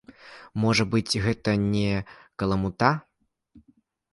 Можа быць, гэта не каламута?